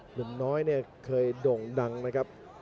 หนุ่มน้อยเนี่ยเคยโด่งดังนะครับ